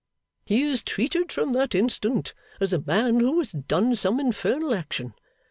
He is treated from that instant as a man who has done some infernal action.